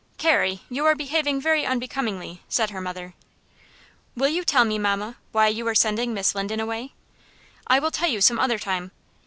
"Carrie, you are behaving very unbecomingly," said her mother. "Will you tell me, mamma, why you are sending Miss Linden away?" "I will tell you some other time."